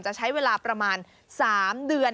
จะใช้เวลาประมาณ๓เดือน